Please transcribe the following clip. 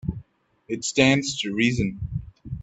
It stands to reason.